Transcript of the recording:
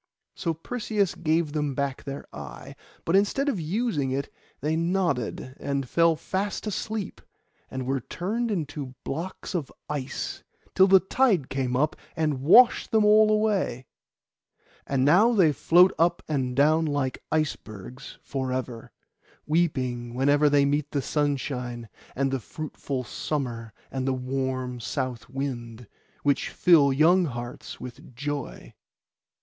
So Perseus gave them back their eye; but instead of using it, they nodded and fell fast asleep, and were turned into blocks of ice, till the tide came up and washed them all away. And now they float up and down like icebergs for ever, weeping whenever they meet the sunshine, and the fruitful summer and the warm south wind, which fill young hearts with joy.